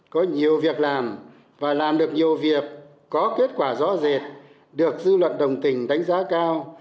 có nhiều việc làm và làm được nhiều việc có kết quả rõ rệt được dư luận đồng tình đánh giá cao